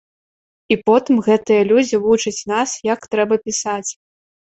І потым гэтыя людзі вучаць нас, як трэба пісаць!